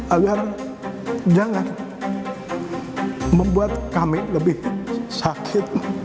agar jangan membuat kami lebih sakit